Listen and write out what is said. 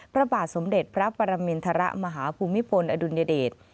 พระบาทสมเด็จพระปรมินทรมาฮภูมิพลอดุลยเดช